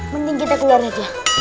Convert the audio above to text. mending kita keluar aja